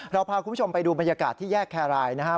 พาคุณผู้ชมไปดูบรรยากาศที่แยกแครรายนะครับ